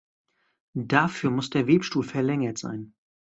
Dafür muss der Webstuhl verlängert sein.